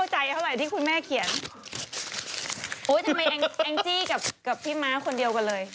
โชว์